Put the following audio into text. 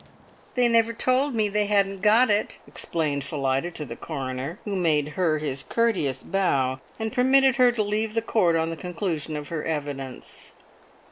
"They never told me they hadn't got it," explained Phillida to the coroner, who made her his courteous bow, and permitted her to leave the court on the conclusion of her evidence.